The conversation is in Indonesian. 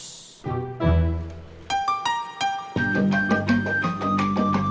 kici pring udah siap dihantar